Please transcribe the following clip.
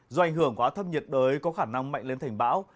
do ảnh hưởng quá thấp nhiệt đới có khả năng mạnh lên thành bão